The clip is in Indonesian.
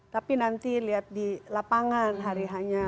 tapi nanti lihat di lapangan hari hanya